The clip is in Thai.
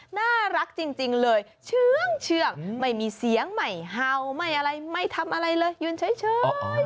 น่ารักจริงเลยเชื่องไม่มีเสียงใหม่เห่าไม่อะไรไม่ทำอะไรเลยยืนเฉย